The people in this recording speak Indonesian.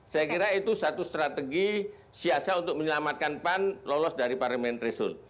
saya kira itu satu strategi siasa untuk menyelamatkan pan lolos dari parliamentary show